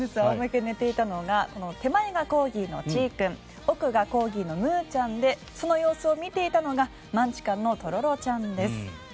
仰向けで寝ていたのが手前がコーギーのちい君奥がコーギーのむうちゃんでその様子を見ていたのがマンチカンのとろろちゃんです。